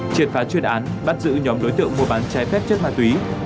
triệt phá chuyên án bắt giữ nhóm đối tượng mua bán trái phép chất ma túy